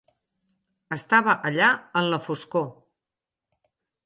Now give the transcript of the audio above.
Estava allà en la foscor.